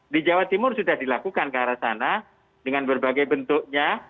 di jawa timur sudah dilakukan ke arah sana dengan berbagai bentuknya